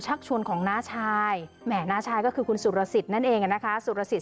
ชักชวนของน้าชายแห่น้าชายก็คือคุณสุรสิทธิ์นั่นเองนะคะสุรสิทธ